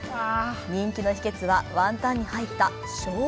人気の秘けつはワンタンに入った生姜。